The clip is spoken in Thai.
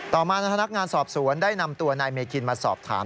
ต่อมาพนักงานสอบสวนได้นำตัวนายเมคินมาสอบถาม